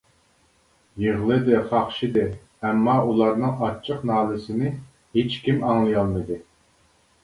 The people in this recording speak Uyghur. يىغلىدى قاقشىدى، ئەمما ئۇلارنىڭ ئاچچىق نالىسىنى ھېچكىم ئاڭلىيالمىدى.